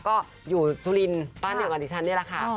ก็อยู่สุรินทร์บ้านเดียวกับดิฉันนี่แหละค่ะ